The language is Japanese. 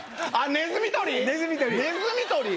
ネズミ捕り？